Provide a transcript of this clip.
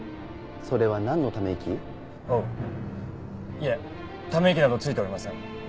いえため息などついておりません。